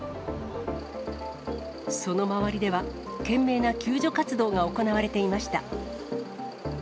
その周りでは、懸命な救助活動が行われていました。